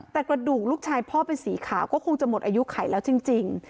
แต่กระดูกลูกชายพ่อเป็นสีขาวก็คงจะหมดอายุไขแล้วจริง